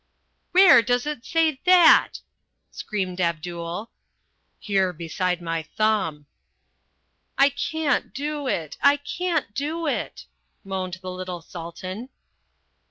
"Where does it say that?" screamed Abdul. "Here beside my thumb." "I can't do it, I can't do it," moaned the little Sultan.